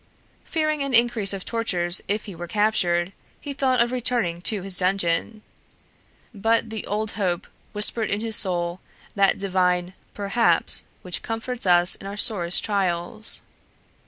Fearing an increase of tortures if he were captured, he thought of returning to his dungeon. But the old hope whispered in his soul that divine perhaps, which comforts us in our sorest trials.